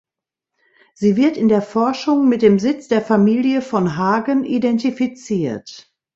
Sie wird in der Forschung mit dem Sitz der Familie von Hagen identifiziert.